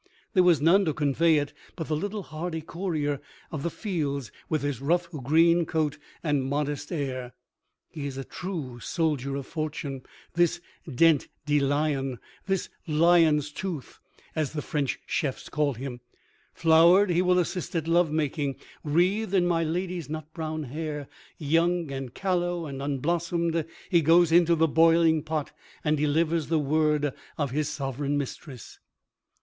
There was none to convey it but the little hardy courier of the fields with his rough green coat and modest air. He is a true soldier of fortune, this dent de lion—this lion's tooth, as the French chefs call him. Flowered, he will assist at love making, wreathed in my lady's nut brown hair; young and callow and unblossomed, he goes into the boiling pot and delivers the word of his sovereign mistress.